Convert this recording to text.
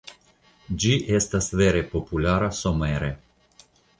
Ĝi estas vere populara somere.